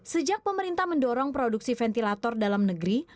sejak pemerintah mendorong produksi ventilator dalam negeri